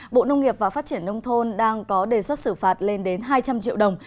bộ nông nghiệp và phát triển nông thôn đang có đề xuất xử phạt lên đến hai trăm linh triệu đồng